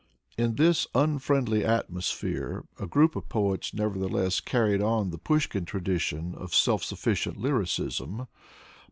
In this unfriendly atmos phere a group of poets nevertheless carried on the Pushkin tradition of self sufficient lyricism.